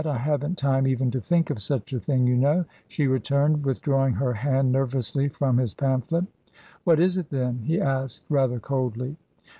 I haven't time even to think of such a thing, you know," she returned, with drawing her hand nervously from his pamphlet. What is it, then ?" he asked, rather coldly.